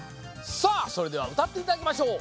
さあそれではうたっていただきましょう！